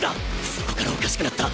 そこからおかしくなった。